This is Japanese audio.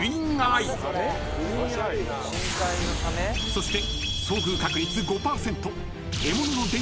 ［そして］